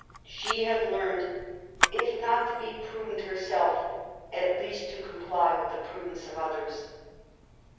She had learned^ if not to be prudent herself^ at least to comply with the prudence of others.